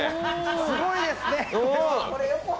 すごいですね。